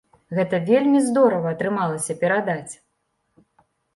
Гэта вельмі здорава атрымалася перадаць!